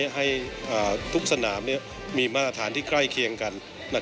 ให้ทุกสนามมีมาตรฐานที่ใกล้เคียงกัน